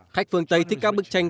khách phương tây thích các bức tranh